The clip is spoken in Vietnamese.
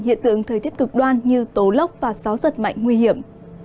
hiện tượng thời tiết cực đoan như tố lốc và gió giật mạnh nguy hiểm